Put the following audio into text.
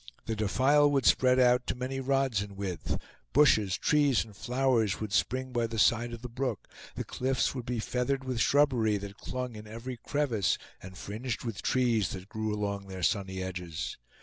The defile would spread out to many rods in width; bushes, trees, and flowers would spring by the side of the brook; the cliffs would be feathered with shrubbery, that clung in every crevice, and fringed with trees, that grew along their sunny edges.